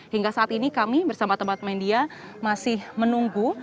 hingga saat ini kami bersama teman teman media masih menunggu